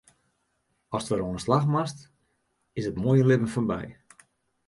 Ast wer oan 'e slach moatst, is it moaie libben foarby.